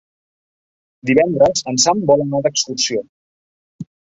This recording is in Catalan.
Divendres en Sam vol anar d'excursió.